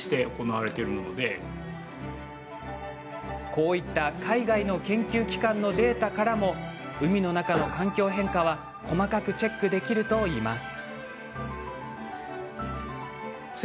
こういった海外の研究機関のデータからも海の中の環境変化は細かくチェックできるといいます。